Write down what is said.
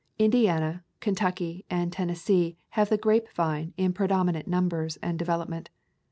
Indiana, Kentucky, and Tennes see have the grapevine in predominant num bers and development.